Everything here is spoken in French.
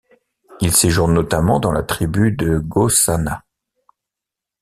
Il séjourne notamment dans la tribu de Gossanah.